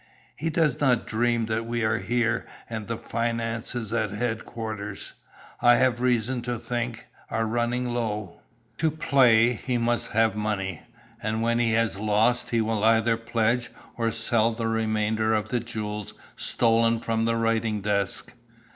He does not dream that we are here, and the finances at headquarters, I have reason to think, are running low. To play he must have money, and when he has lost he will either pledge or sell the remainder of the jewels stolen from the writing desk.